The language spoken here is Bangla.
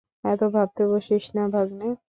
এত ভাবতে বসিস না, ভাগ্নে!